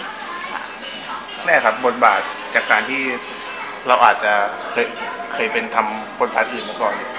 ป้องแข่งแห่งบทบาทจากการที่เราอาจจะเคยทำบทฟาซอื่นละก่อน